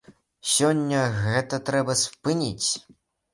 Сёння гэта трэба спыніць!